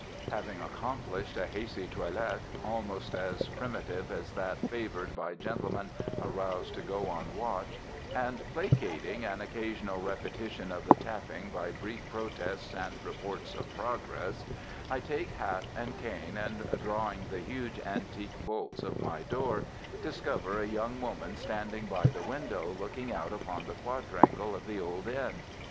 Having accomplished a hasty toilet, almost as primitive as that favored by gentlemen aroused to go on watch, and placating an occasional repetition of the tapping by brief protests and reports of progress, I take hat and cane, and drawing the huge antique bolts of my door, discover a young woman standing by the window looking out upon the quadrangle of the old Inn.